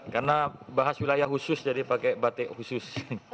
karena bahas wilayah khusus jadi pakai batik khusus